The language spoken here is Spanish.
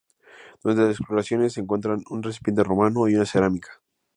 Durante las exploraciones, se encontraron un recipiente romano y una cerámica.